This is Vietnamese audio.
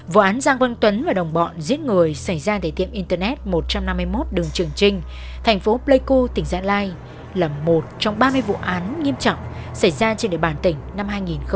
vụ án giang văn tuấn và đồng bọn giết người xảy ra tại tiệm internet một trăm năm mươi một đường trường trinh thành phố pleiku tỉnh gia lai là một trong ba mươi vụ án nghiêm trọng xảy ra trên địa bàn tỉnh năm hai nghìn một mươi bảy